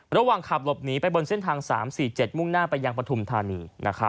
ระหว่างขับหลบหนีไปบนเส้นทาง๓๔๗มุ่งหน้าไปยังปฐุมธานี